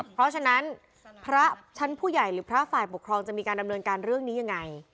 เพราะฉะนั้นพระชั้นผู้ใหญ่หรือพระฝ่ายปกครองจะมีการดำเนินการเรื่องนี้ยังไง